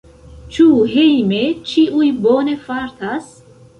Ĉu hejme ĉiuj bone fartas?